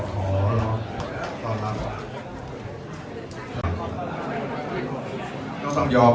ขอบคุณครับ